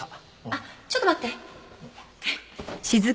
あっちょっと待って。